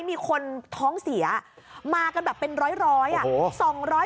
มีคนท้องเสียมากันแบบเป็นร้อยอ่ะ